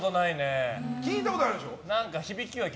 聞いたことあるでしょ？